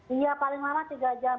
iya paling lama tiga jam